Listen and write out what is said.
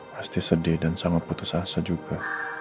pasti sedih dan sangat putus asa juga